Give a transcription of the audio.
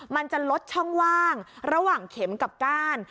มันจะลดช่องว่างระหว่างเข็มกับก้าน